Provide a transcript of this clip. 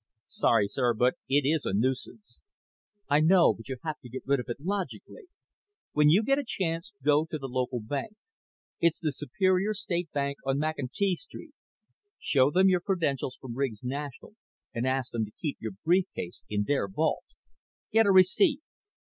"Sorry, sir, but it is a nuisance." "I know, but you have to get rid of it logically. When you get a chance go to the local bank. It's the Superior State Bank on McEntee Street. Show them your credentials from Riggs National and ask them to keep your brief case in their vault. Get a receipt.